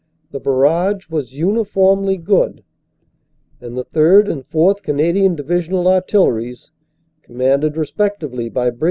"The barrage was uniformly good, and the 3rd. and 4th. Canadian Divisional Artilleries, commanded respectively by Brig.